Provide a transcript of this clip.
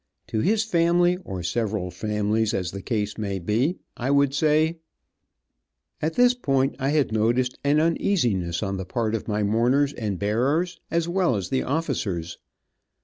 To his family, or several families, as the case may be, I would say " At this point I had noticed an uneasiness on the part of my mourners and bearers, as well as the officers.